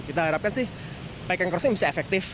kita harapkan sih pelikan crossing bisa efektif